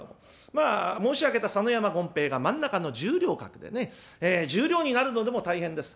まあ申し上げた佐野山権兵衛が真ん中の十両格でね十両になるのでも大変です。